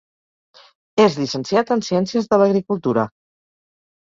És llicenciat en Ciències de l'Agricultura.